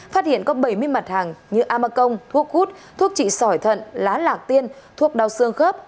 phát hiện có bảy mươi mặt hàng như amakong thuốc hút thuốc trị sỏi thận lá lạc tiên thuốc đào xương khớp